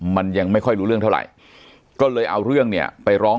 มันยังไม่ค่อยรู้เรื่องเท่าไหร่ก็เลยเอาเรื่องเนี่ยไปร้อง